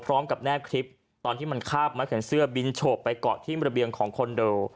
แนบคลิปตอนที่มันคาบมะเข็นเสื้อบินโฉบไปเกาะที่ระเบียงของคอนโด